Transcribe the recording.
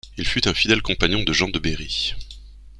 Il fut un fidèle compagnon de Jean de Berry.